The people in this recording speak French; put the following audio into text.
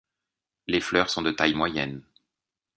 Les fleurs sont de taille moyenne.